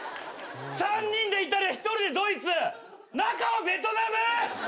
３人でイタリア１人でドイツ中はベトナム？